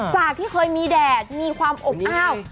จากที่เคยมีแดดมีความอบอ้าว